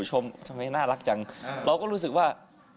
ชมทำไมน่ารักจังเราก็รู้สึกว่า